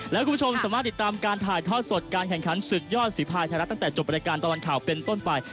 และคุณผู้ชมสามารถติดตามการถ่ายทอดสดการแข่งขันศึกยอดฝีภายไทยรัฐตั้งแต่จบรายการตลอดข่าวเป็นต้นไป